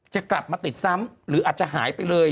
จะกลับมาติดซ้ำหรืออาจจะหายไปเลย